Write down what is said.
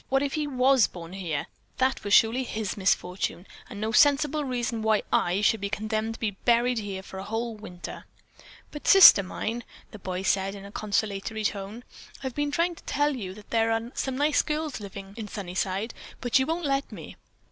What if he was born here? That surely was his misfortune, and no sensible reason why I should be condemned to be buried here for a whole winter." "But, Sister mine," the boy said in a conciliatory tone. "I've been trying to tell you that there are some nice girls living in Sunnyside, but you won't let me.